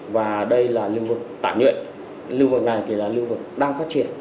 và đây là lưu vực tả nhuệ lưu vực này là lưu vực đang phát triển